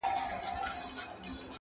پاچهي دي مبارک سه چوروندکه،